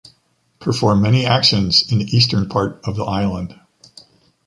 Perform many actions in the eastern part of the island.